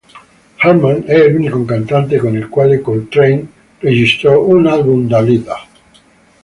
Hartman è l'unico cantante con il quale Coltrane registrò un album da leader.